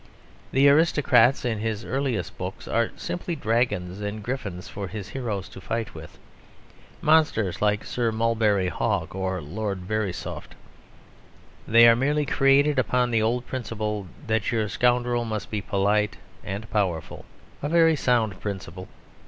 The aristocrats in his earliest books are simply dragons and griffins for his heroes to fight with monsters like Sir Mulberry Hawk or Lord Verisopht. They are merely created upon the old principle, that your scoundrel must be polite and powerful a very sound principle.